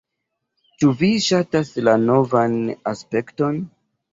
Ĉu vi ŝatas la novan aspekton?